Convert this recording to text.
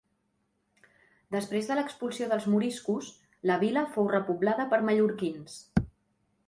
Després de l'expulsió dels moriscos, la vila fou repoblada per mallorquins.